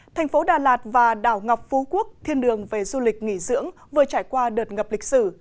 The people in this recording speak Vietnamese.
thành phố đà lạt và đảo ngọc phú quốc thiên đường về du lịch nghỉ dưỡng vừa trải qua đợt ngập lịch sử